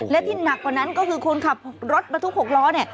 และที่หนักกว่านั้นก็คือคนขับรถบรรทุก๖ล้อเนี่ย